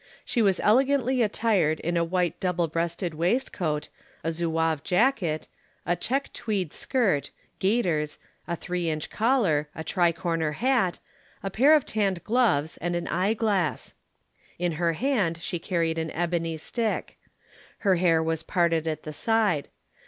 She was elegantly attired in a white double breasted waistcoat, a zouave jacket, a check tweed skirt, gaiters, a three inch collar, a tricorner hat, a pair of tanned gloves and an eyeglass. In her hand she carried an ebony stick. Her hair was parted at the side.